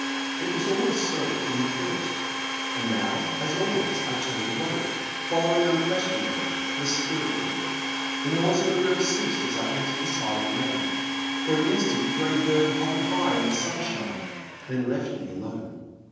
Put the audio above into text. It was always so from the first, and now, as always, I turned away, following un questioningly the Spirit bird. The noise of the river ceased as I entered the Silent Land. For an instant the grey bird hovered high in the sun shine, then left me alone.